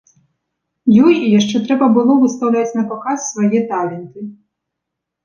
Ёй яшчэ трэба было выстаўляць напаказ свае таленты.